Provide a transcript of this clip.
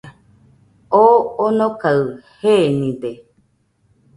Oo onokaɨ jenide.